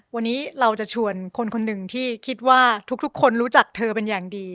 วันนี้เราจะชวนคนคนหนึ่งที่คิดว่าทุกคนรู้จักเธอเป็นอย่างดี